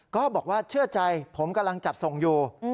ก็บอกว่าเชื่อใจผมกำลังจัดส่งอยู่